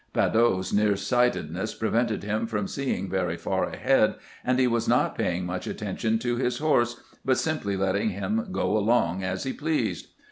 Badeau's near sightedness prevented him from seeing very far ahead, and he was not paying much attention to his horse, but simply letting him go along as he pleased.